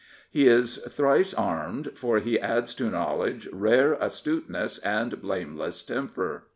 He is thrice armed, for he adds to knowledge rare astuteness and blameless temper.